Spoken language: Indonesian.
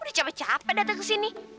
udah capek capek datang ke sini